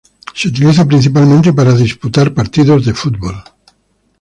Se utiliza principalmente para disputar partidos de fútbol.